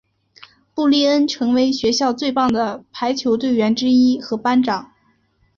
布丽恩成为学校最棒的排球队员之一和班长。